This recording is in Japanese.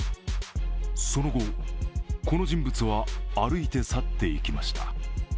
その後、この人物は歩いて去っていきました。